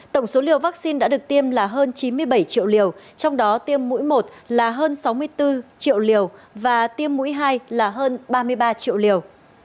tổng số liều vaccine đã được tiêm là hơn chín mươi bảy triệu liều trong đó tiêm mũi một là hơn sáu mươi bốn triệu liều và tiêm mũi hai là hơn ba mươi ba triệu liều